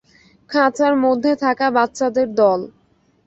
খাঁচার মধ্যে থাকা বাচ্চাদের দল।